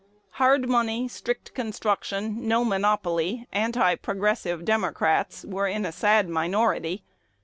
Hard money, strict construction, no monopoly, anti progressive Democrats were in a sad minority.